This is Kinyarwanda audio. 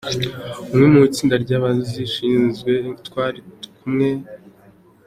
Umwe mu itsinda ry’abazishinzwe twari kumwe.